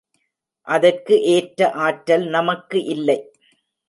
அதற்கு ஏற்ற ஆற்றல் நமக்கு இல்லை.